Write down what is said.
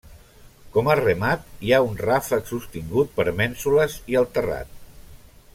Com a remat hi ha un ràfec sostingut per mènsules i el terrat.